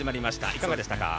いかがでしたか？